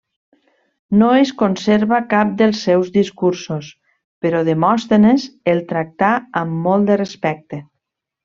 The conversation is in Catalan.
No es conserva cap dels seus discursos, però Demòstenes el tractà amb molt de respecte.